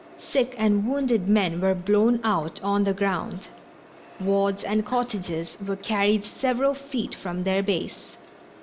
Sick and wounded men were blown out on the ground. Wards and cottages were carried several feet from their base.